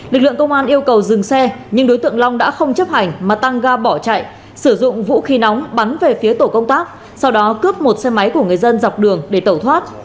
lực lượng công an yêu cầu dừng xe nhưng đối tượng long đã không chấp hành mà tăng ga bỏ chạy sử dụng vũ khí nóng bắn về phía tổ công tác sau đó cướp một xe máy của người dân dọc đường để tẩu thoát